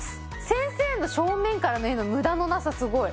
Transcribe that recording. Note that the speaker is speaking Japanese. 先生の正面からの画の無駄のなさすごい。